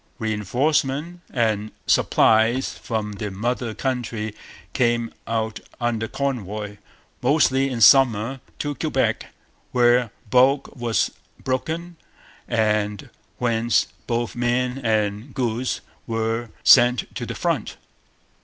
Reinforcements and supplies from the mother country came out under convoy, mostly in summer, to Quebec, where bulk was broken, and whence both men and goods were sent to the front.